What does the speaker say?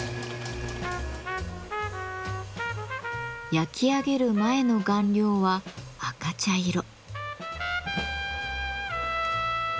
焼き上げる前の顔料は赤茶色。